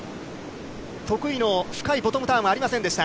得意の深いボトムターンはありませんでした。